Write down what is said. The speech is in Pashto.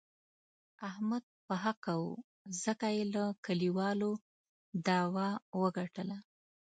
احمد په حقه و، ځکه یې له کلیوالو داوه و ګټله.